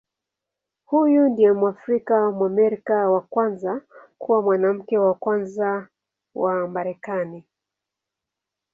Huyu ndiye Mwafrika-Mwamerika wa kwanza kuwa Mwanamke wa Kwanza wa Marekani.